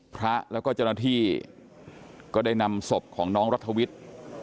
พระและกับจณฐีก็ได้นำศพของน้องรทวิทย์